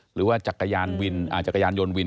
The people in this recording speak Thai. หรือว่าจักรยานยนต์วิน